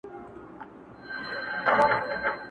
o له بېکاره، خداى بېزاره٫